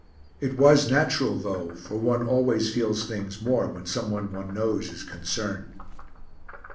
It was natural though, for one always feels things more when some one one knows is concerned.